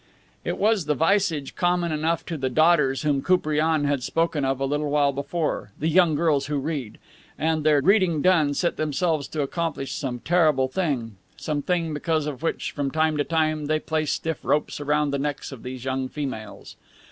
It was the visage common enough to the daughters whom Koupriane had spoken of a little while before, "the young girls who read" and, their reading done, set themselves to accomplish some terrible thing, some thing because of which, from time to time, they place stiff ropes around the necks of these young females.